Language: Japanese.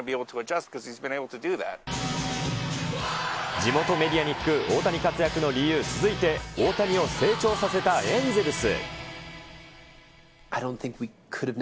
地元メディアに聞く大谷活躍の理由、続いて大谷を成長させたエンゼルス。